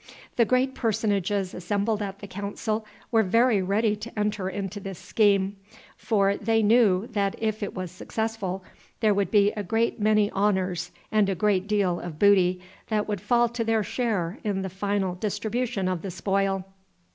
The great personages assembled at the council were very ready to enter into this scheme, for they knew that if it was successful there would be a great many honors and a great deal of booty that would fall to their share in the final distribution of the spoil.